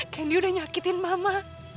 candy udah nyakitin mama